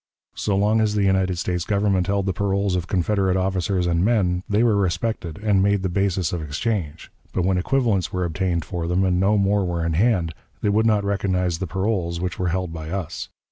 So long as the United States Government held the paroles of Confederate officers and men, they were respected and made the basis of exchange; but when equivalents were obtained for them, and no more were in hand, they would not recognize the paroles which were held by us.